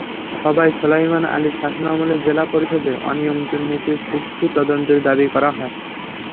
সভায় সোলায়মান আলীর শাসনামলে জেলা পরিষদের অনিয়ম-দুর্নীতির সুষ্ঠু তদন্তেরও দাবি করা হয়।